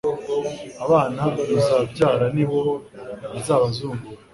abana muzabyara nibo zababazungura